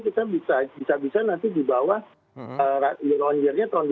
kita bisa nanti dibawah year on year nya tahun dua ribu dua puluh